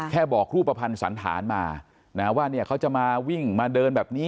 แค่บอกคูเปญสันธารมาว่าเขาจะมาวิ่งลักษณะวิ่งแบบนี้